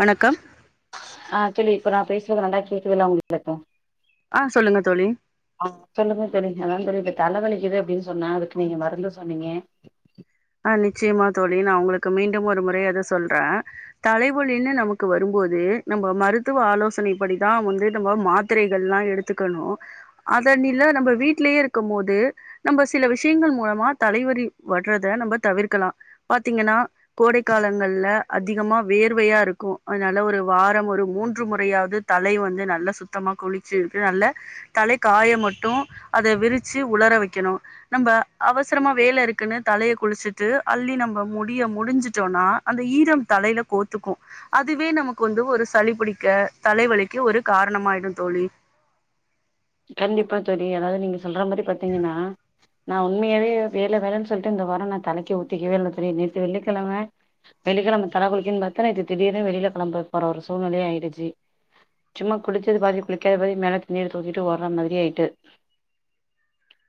வணக்கம் ஆ தோழி இப்போ நா பேசுறது நல்லா கேக்குதுல உங்களுக்கு அ சொல்லுங்க தோழி ஆ சொல்லுங்க தோழி அதா தோழி இப்ப தலவலிக்குது அப்டின்னு சொன்னே அதுக்கு நீங்க மருந்து சொன்னீங்க ஆ நிச்சயமா தோழி நா உங்களுக்கு மீண்டும் ஒரு முறை அத சொல்றே தலைவலியினு நமக்கு வரும்போது நம்ப மருத்துவ ஆலோசனைப்படிதா வந்து நம்ம மாத்திரைகள் எல்லாம் எடுத் த்துக்கணும் அதனில நம்ம வீட்லயே இருக்கும் போது நம்ப சில விஷயங்கள் மூலமா தலைவலி வரத நம்ம தவிர்க்கலா பாத்தீங்கனா கோடை காலங்கல்ல அதிகமா வேர்வையா இருக்கு அதனால ஒரு வாரம் ஒரு மூன்று முறையாது தலை வந்து நல்லா சுத்தமா குளிச்சு இருக்கு நல்ல தலை காய மட்டு அத விரிச்சு உளர வைக்கணு நம்ப அவசரமா வேலை இருக்குனு தலைய குளிச்சுட்டு அள்ளி நம்ம முடிய முடிஞ்சுட்டோனா அந்த ஈரம் தலையில கோத்துக்கு அதுவே நமக்கு வந்து ஒரு சளிபிடிக்க தலைவலிக்கு ஒரு காரணமாயிடு தோழி கண்டிப்பா தோழி அதாவது நீங்க சொல்ற மாரி பாத்தீங்கனா நா உண்மையாவே வேலை வேலைன்னு சொல்லிட்டு இந்த வாரோ நா தலைக்கு ஊத்திக்கவே இல்ல தோழி நேத்து வெள்ளிக்கிழம வெள்ளிக்கிழம தலை குளிக்கன்னு பாத்தா நேத்து ‌தீடிர்னு வெளில கிளம்ப போற ஒரு சூழ்நில ஆயிருச்சு சும்மா குளிச்சது பாதி குளிக்காதது பாதி மேல துணி எடுத்து வைக்கனு விட்டு வர மாதிரி ஆயிட்டு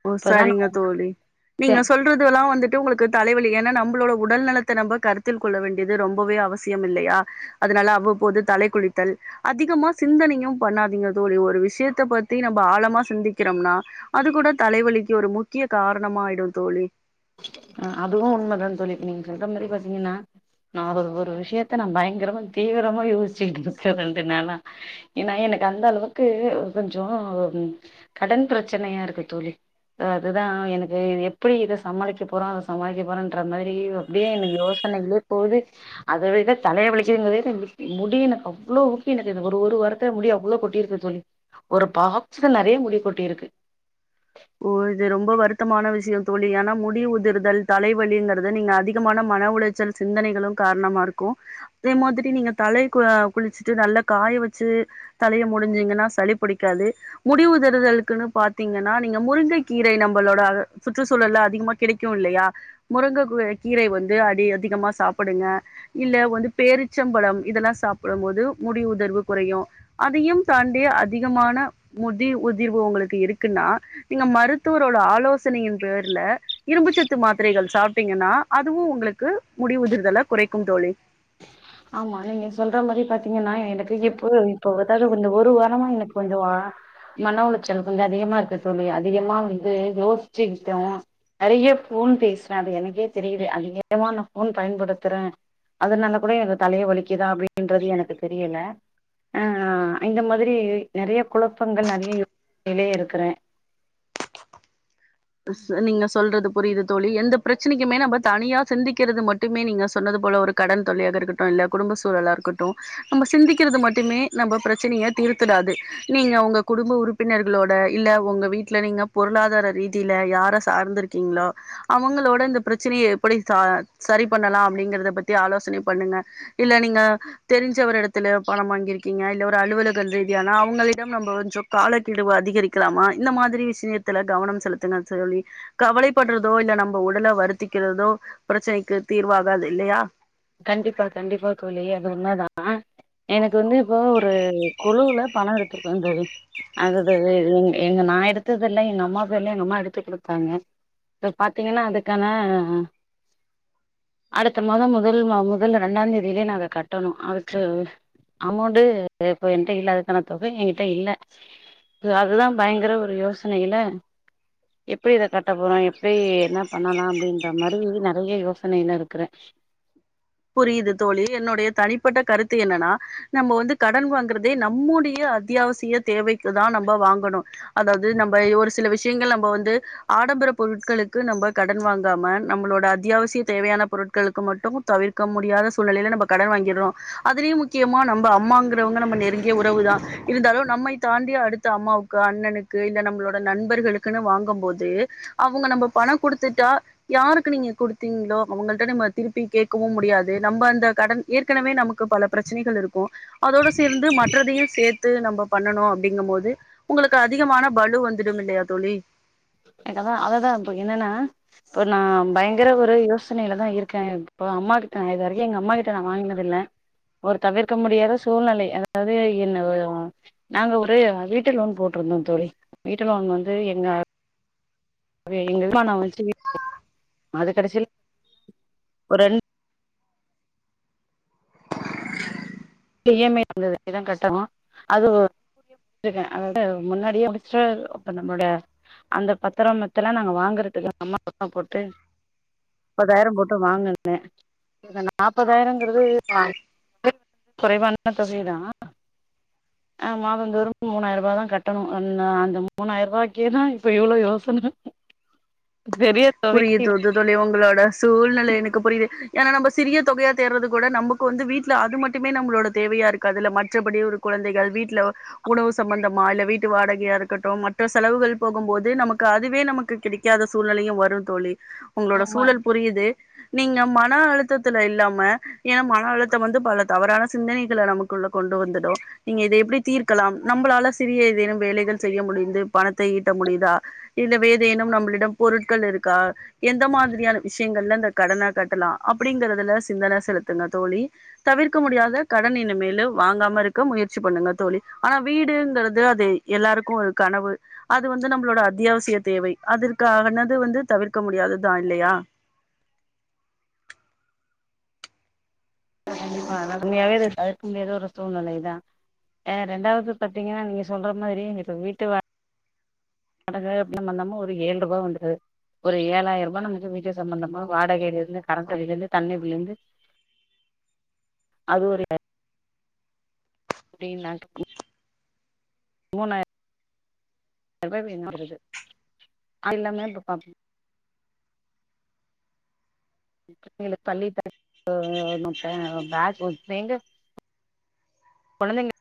ஓ இப்பதா நா சரிங்க தோழி உணர்ந்தே நீங்க சொல் துல்லாம் வந்துட்டு உங்களுக்கு தலைவலி ஏன்னா நம்மளோட உடல் நலத்தை நம்ம கருத்தில் கொள்ள வேண்டியது ரொம்பவே அவசியம் இல்லையா அதனால அவ்வபோது தலை குளித்தல் அதிகமா சிந்தனையு பண்ணாதீங்க தோழி ஒரு விஷயத்த பத்தி நம்ம ஆழமா சிந்திக்கிறோம்னா அது கூட தலைவலிக்கு ஒரு முக்கிய காரணமாயிடு தோழி ஆ அதுவு உண்மை தா தோழி நீங்க சொல்ற மாரி பாத்தீங்கனா நா ஒரு ஒரு விஷயத்த நா பயங்கரமா தீவிரமா யோசிச்சுகிட்டு இருக்கே ரெண்டு நாளா ஏன்னா எனக்கு அந்த அளவுக்கு கொஞ்சோ ஒரு கடன் பிரச்சனையா இருக்கு தோழி அதுதா எனக்கு எப்டி இத ச சமாளிக்கப் போறோ சமாளிக்க போறோன்ற மாரி அப்டியே எனக்கு யோசனைையிலே போது அத விட தலையே வலிக்குங்க எங்க வீட்ல முடியல அவ்ளோவு ஊக்கி எனக்கு ஒரு ஒரு வாரத் முடி அவ்ளோ கொட்டிருக்கு தோழி ஒரு பாக்ஸ் நெறைய முடி கொட்டிருக்கு ஓ இது ரொம்ப வருத்தமான விஷயம் தோழி ஏன்னா முடி உதிர்தல் தலைவலிங்கிறது நீங்க அதிகமான மன உளைச்சல் சிந்தனைகளும் காரணமா இருக்கு அதே மாதிரி நீங்க தலைக்கு குளிச்சுட்டு நல்லா காய வச்சு தலையை முடிஞ்சிங்கனா சளி பிடிக்காது முடிவு உதிர்தலுக்குனு பாத்தீங்கன்னா இந்த முருங்கை கீரை நம்மளோட சுற்றுச்சூழல்ல அதிகமா கிடைக்கு இல்லையா முருங்க கு கீரை வந்து அதி அதிகமா சாப்புடுங்க இல்ல வந்து பேரிச்சம்பழம் இதெல்லா சாப்படம்போது முடி உதர்வு குறையு அதையும் தாண்டி அதிகமான முடி உதிர்வு ஒங்களுக்கு இருக்குன்னா நீங்க மருத்துவரோட ஆலோசனையின் பேர்ல்ல இரும்புச்சத்து மாத்திரைகள் சாப்ட்டீங்கன்னா அதுவு ஒங்களுக்கு முடி உதிர்தல குறைக்கும் தோழி ஆமா நீங்க சொல்ற மாரி பாத்தீங்கன்னா எனக்கு இப்போ இப்பாத்தலு இந்த ஒரு வாரமா எனக்கு கொஞ்சோ ஆ மன உளைச்சல் கொஞ்சோ அதிகமாருக்கு தோழி அதிகமா வந்து யோச்சுக்கிட்டு நறைய ஃபோன் பேசுவே அது எனக்கே தெரிது அதிகமான நா ஃபோன் பயன்படுத்துறே அதனால கூட எனக்கு தலய வலிக்குதா அப்டின்றது எனக்கு தெரியல ஆ இந்த மாதிரி நறைய குழப்பங்கள் நறைய இருக்குறே நீங்க சொல்றது புரிது தோழி எந்த பிரச்சனைக்குமே நம்ப தனியா சிந்திக்கிறது மட்டுமே நீங்க சொன்னது போல ஒரு கடன் தொல்லையாக இருக்கட்டு இல்ல குடும்ப சூழலாருக்கட்டு நம்ம சிந்திக்கிறது மட்டுமே நம்ம பிரச்சனய தீர்த்துடாது நீங்க ஒங்க குடும்ப உறுப்பினர்களோட இல்ல ஒங்க வீட்ல நீங்க பொருளாதார ரீ தில யார சார்ந்திருக்கீங்ளோ அவுங்களோட இந்த பிரச்சனய எப்டி சா சரி பண்ணலா அப்டிங்கறத பத்தி ஆலோசனை பண்ணுங்க இல்ல நீங்க தெரிஞ்ச ஒரு எடத்துலயோ பணம் வாங்கியிருக்கீங்க இல்ல ஒரு அலுவல ங்கள் ரீதியான அவுங்களிடம் நம்ப கொஞ்சோ காலக்கெடுவ அதிகரிக்கலாமா இந்த மாதிரி விஷயத்தில கவனம் செலுத் தலா தோழி கவலை பட்றதோ இல்ல நம்ம உடல வருத்திக்கிறதோ பிரச்சனைக்கு தீர்வாகாது இல்லயா கண்டிப்பா கண்டிப்பா தோழி அது உண்மதா எனக்கு வந்து இப்போ ஒரு குழுல பணோ எடுத்திருக்கோ தோழி அது எங்க நா எடுத்ததுல எங்க அம்மா பேர்ல எங்க அம்மா எடுத்து குடுத்தாங்க இப்ப பாத்தீங்கன்னா அதுக்கான அடுத்த மாதம் வ முதல் மா முதல்ல ரெண்டாந் தேதிலே நாங்க கட்டணு அதுக்கு அமௌண்டு இப்ப ஏட்ட இல்ல அதுக்கான தொகை எ கிட்ட இல்ல அதுதா பயங்கர ஒரு யோசனைல எப்ப இத கட்ட போறோ எப்டி என்ன பண்ணலா அப்டின்ற மாரி நறைய யோசனைலருக்குறே புரிது தோழி என்னுடைய தனிப்பட்ட கருத்து என்னன்னா நம்ப வந்து கடன் வாங்கறதே நம்முடைய அத்தியாவ திய தேவைக்குதா நம்ப வாங்கணு அதாவ்து நம்ப ஒரு சில விஷ்யங்கள் நம்ப வந்து ஆடம்பர பொருட்களுக்கு நம்ப கடன் வாங்காம நம்மளோட அத்தியாவசிய தேவயான பொருட்களுக்கு மட்டு தவிர் க்க முடியாத சூழ்நிலைல நம்ப கடேன் வாங்கிறோ அதுலயு முக்கியமா நம்ம அம்மாங்றவங்க நம்ம நெருங்கிய உறவு தா இருந்தாலு நம்மை தாண்டி அடுத்த அம்மாவுக்கு அண்ணனுக்கு இத நம்மளோட நண்பர்களுக்குன்னு வாங்கும்போது அவுங்க நம்ம பணோ குடுத்துட்டா யாருக்கு நீங்க குடுத்தீங்ளோ அவுங்கள்ட்ட நம்ம திருப்பி கேக் கவு முடியாது நம்ப அந்த கடன் ஏற்கனவே நமக்கு பல பிரச்சனைகள் இருக்கு அதோடு சேர்ந்து மற்றதையு சே த்து நம்ப பண்ணனு அப்படிங்கம்போது ஒங்களுக்கு அதிகமான பலு வந்துடுமில்லயா தோழி என்ன தா அத தா இப்ப என்னன்னா இப்போ நா பயங்கர ஒரு யோசனைல தா இருக்கே இப்போ அம்மா கிட்ட நா இது வரைக்கு எங்க அம்மா கிட்ட நா வாங்னதில்ல ஒரு தவிர்க்க முடியாத சூழ்நிலை அதாவது என்ன நாங்க ஒரு வீட்டு லோன் போட்ருந்தோ தோழி வீட்டு லோன் வந்து எங்க இப்ப எங்க [inaudible] அது கடைசில [inaudible] ஒரு ரெண் டு ஈ எம்‌ ஐ அந்த தேதி தா கட்டணு அது [inaudible] அதாவ்து முன்னாடியே முடிச்சு இப்ப நம்ளோட அந்த பத்தரோ மத்தெல்லா நாங்க வாங்குறதுக்கு அம்மா [inaudible] போட்டு முப்பதாயிரோ போட்டு வாங்குன்னே இந்த நாப்பதாயிரங்கறது குறைவான தொகை தா ஆமா அவங்க ஒரு மூணாயிரருபா தா கட்டணு அன்ன அந்த மூணாயிர ரூபாய்க்கே தா இப்ப இவ்ளோ யோசன [inaudible] தொகைக்கு புரியுதுது தோழி உங்களோட சூழ்நில எனக்கு புரியுது ஏன்னா நம்ப சிறிய தொகையா தேடுறது கூட நமக்கு வந்து வீட்ல அது மட்டுமே நம்மளோட தேவையா இருக்காதுல்ல மற்றபடியு இருக் குழந்தைகள் வீட்ல உணவு சம்பந்தமா இல்ல வீட்டு வாடகையா இருக்கட்டு மற்ற செலவுகள் போகும் போது நமக்கு அதுவே நமக்கு கிடைக்காத சூழ் சூழ்நிலையு வரு தோழி உங்களோட ஆமா சூழல் புரியுது நீங்க மன அழுத்தத்துல இல்லாம ஏன்னா மன அழுத்தம் வந்து பல தவறான சிந்தனைகள நமக்குள்ள கொண்டு வந்துடு நீங்க இத எப்டி தீர்க்கலாம் நம்பளால சிறிய ஏதேனும் வேலைகள் செய்ய முடிந்து பணத்தை ஈட்ட முடியுதா இல்ல வேதேனும் நம்மளிடம் பொருட்கள் இருக்கா எந்த மாதிரியான விஷயங்கள்ல இந்த கடன கட்டலா அப்டிங்கிறதுல சிந்தனை செலுத்துங்க தோழி தவிர்க்க முடியாத கடன் இனிமேலு வாங்காம இருக்க முயற்சி பண்ணுங்க தோழி ஆனா வீடுங்கிறது அது எல்லாருக்கு ஒரு கனவு அது வந்து நம்மளோட அத்தியாவசிய தேவை அது தேவனது வந்து தவிர்க்க முடியாதுதா இல்லையா கண்டிப்பா ஆனா உண்மையாவே இத தவிர்க்கமுடியாத ஒரு சூழ்நிலைதா ஏ ரெண்டாவது பத்தீங்கன்னா நீங்க சொல்ற மாதிரி இங்குட்டு வீட்டு வாடகா அப்டின்னு வந்தோன்னா ஒரு ஏழு ரூபா வந்துருது ஒரு ஏழாயிர ரூபா நமக்கு வீட்டுசம்மந்தமா வாடகேல இருந்து கரண்ட்பில் இருந்து தண்ணி பில் இருந்து அது ஒரு டீனாக்கு ம் மூணாயிர ரூபா வேணுங்கிறது அது இல்லாம இப்ப பப் புள்ளைகளுக்கு பள்ளி பேக் [inaudible] னுட்டே பேக் ஒரு எங்க கொழந்தைங்க